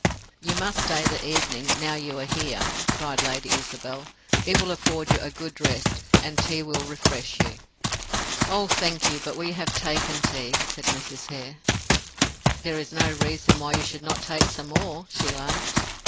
"You must stay the evening, now you are here," cried Lady Isabel. "It will afford you a good rest; and tea will refresh you." "Oh thank you, but we have taken tea," said Mrs. Hare. "There is no reason why you should not take some more," she laughed.